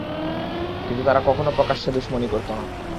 কিন্তু তারা কখনো প্রকাশ্যে দুশমনি করত না।